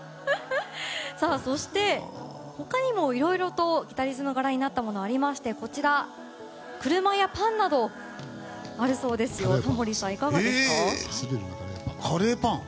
そして、他にもいろいろとギタリズム柄になったものがありましてこちら、車やパンなどあるそうですよ。